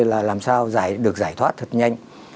là làm sao được giải thoát thật nhanh